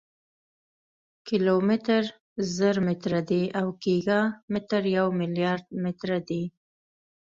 کیلومتر زر متره دی او ګیګا متر یو ملیارډ متره دی.